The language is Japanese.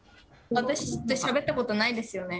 私としゃべったことないですよね。